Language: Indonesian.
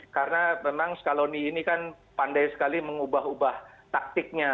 karena memang skaloni ini kan pandai sekali mengubah ubah taktiknya